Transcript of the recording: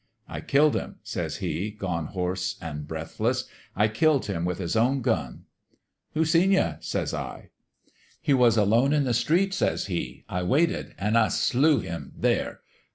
"' I killed him,' says he, gone hoarse an' breath less. ' I killed him with his own gun.' "' Who seen you ?' says I. "' He was alone in the street,' says he. ' I waited ; an' I slew him there.